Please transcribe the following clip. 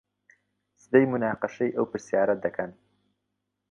سبەی موناقەشەی ئەو پرسیارە دەکەن.